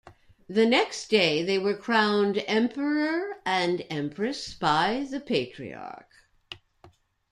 The next day, they were crowned Emperor and Empress by the patriarch.